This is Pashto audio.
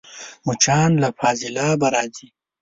مچان له فاضلابه راځي